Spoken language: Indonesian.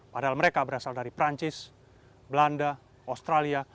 padahal mereka berasal dari perancis belanda australia